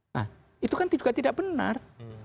nah itu kan juga tidak benar